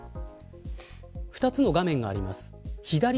２つの画面があります。